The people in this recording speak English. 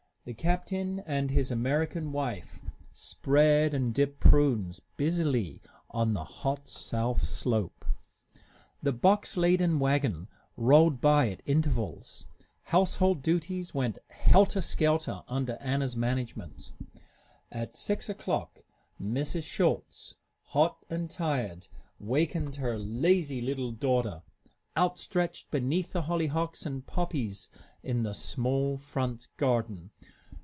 The captain and his American wife spread and dipped prunes busily on the hot south slope. The box laden wagon rolled by at intervals. Household duties went helter skelter under Anna's management. At six o'clock Mrs. Schulz, hot and tired, wakened her lazy little daughter, outstretched beneath the hollyhocks and poppies in the small front garden.